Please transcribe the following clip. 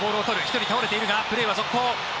１人倒れているがプレーは続行。